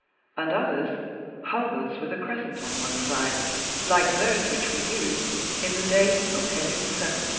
and others, halberds with a crescent on one side, like those which were used in the days of Henry VII.